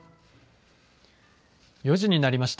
４時になりました。